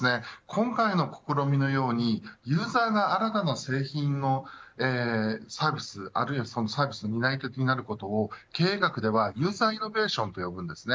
今回の試みのようにユーザーが新たな製品やサービス、あるいはそのサービスの担い手になることを経営学ではユーザーイノベーションと呼ぶんです。